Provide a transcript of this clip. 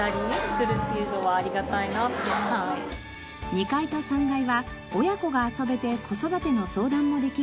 ２階と３階は親子が遊べて子育ての相談もできるフロア。